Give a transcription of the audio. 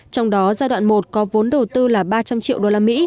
trong đó giai đoạn một có vốn đầu tư là ba trăm linh triệu usd